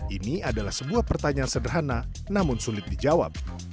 ini adalah sebuah pertanyaan sederhana namun sulit dijawab